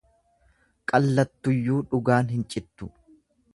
Qallattuyyuu dhugaan hin cittu.